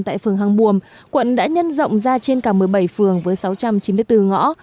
tại phường hàng buồm quận đã nhân rộng ra trên cả một mươi bảy phường với sáu trăm chín mươi bốn ngõ